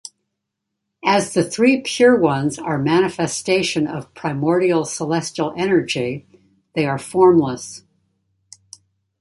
As the Three Pure Ones are manifestation of Primordial Celestial Energy, they are formless.